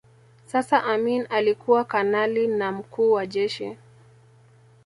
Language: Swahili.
Sasa Amin alikuwa kanali na Mkuu wa Jeshi